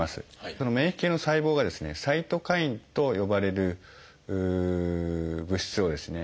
その免疫系の細胞がですね「サイトカイン」と呼ばれる物質をですね